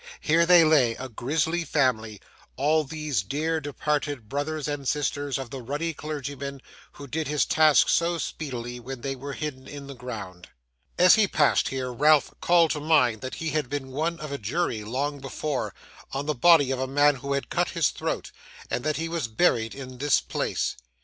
Here they lay, a grisly family, all these dear departed brothers and sisters of the ruddy clergyman who did his task so speedily when they were hidden in the ground! As he passed here, Ralph called to mind that he had been one of a jury, long before, on the body of a man who had cut his throat; and that he was buried in this place.